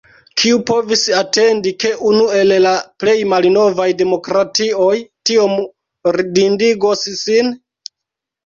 Kiu povis atendi, ke unu el la plej malnovaj demokratioj tiom ridindigos sin?